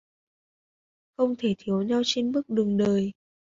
Không thể thiếu nhau trên bước đường đời